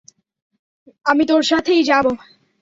আমি তোর সাথেই যাবো।